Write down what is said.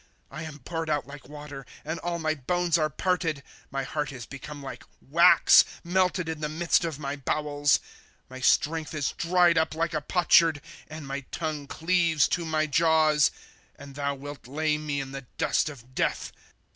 ^* I am poured out like water, And all my bones are parted. My heart is become like wax ; Melted in the midst of my bowels. ^* My strength is dried up like a potsherd. And my tongue cleaves to my jaws ; And thou wilt lay me in the dust of death.